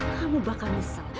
kamu bakal nyesal